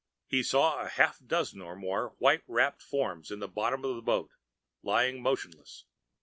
He saw a half dozen or more white wrapped forms in the bottom of the boat, lying motionless.